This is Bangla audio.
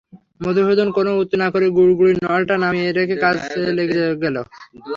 মধুসূদন কোনো উত্তর না করে গুড়গুড়ির নলটা নামিয়ে রেখে কাজে লেগে গেল।